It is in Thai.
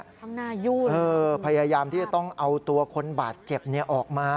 ทั้งหน้ายุ่นเออพยายามที่จะต้องเอาตัวคนบาดเจ็บเนี่ยออกมา